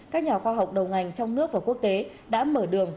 các nhà khoa học đầu ngành trong nước và quốc tế đã mở đường